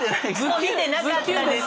もう見てなかったです。